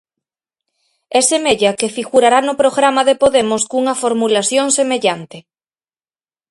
E semella que figurará no programa de Podemos cunha formulación semellante.